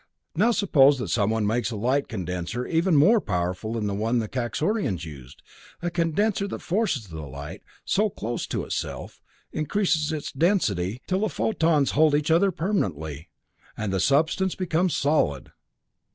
Now suppose that someone makes a light condenser even more powerful than the one the Kaxorians used, a condenser that forces the light so close to itself, increases its density, till the photons hold each other permanently, and the substance becomes solid.